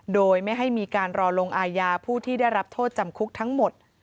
โดยไม่ให้มีการรอลงอายาผู้ที่ได้รับโทษจำคุกทั้งหมด